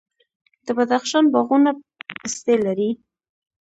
د بدخشان باغونه پستې لري.